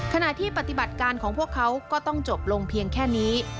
ขณะที่ปฏิบัติการของพวกเขาก็ต้องจบลงเพียงแค่นี้